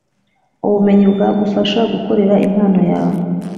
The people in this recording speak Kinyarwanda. ubumenyi bwagufasha gukoresha impano yawe.